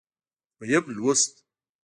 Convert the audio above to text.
دویم لوست